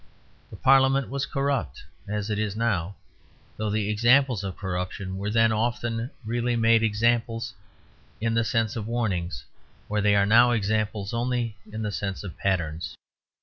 The Parliament was corrupt, as it is now; though the examples of corruption were then often really made examples, in the sense of warnings, where they are now examples only in the sense of patterns.